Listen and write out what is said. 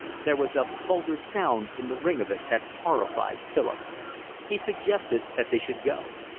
There was a vulgar sound in the ring of it that horrified Philip. He suggested that they should go.